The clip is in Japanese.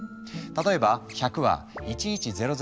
例えば「１００」は「１１００１００」。